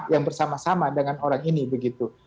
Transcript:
yang bersama sama dengan orang ini begitu